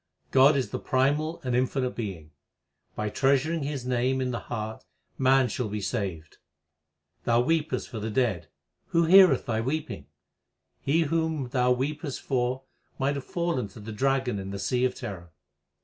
God is the primal and infinite Being ; by treasuring His name in the heart man shall be saved. Thou weepest for the dead ; who heareth thy weeping ? He whom thou weepest for might have fallen to the dragon in the sea of terror.